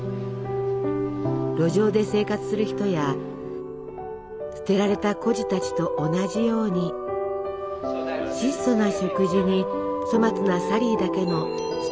路上で生活する人や捨てられた孤児たちと同じように質素な食事に粗末なサリーだけのつつましやかな生活。